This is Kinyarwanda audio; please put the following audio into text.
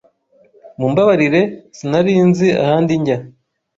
Mumbabarire, sinari nzi ahandi njya.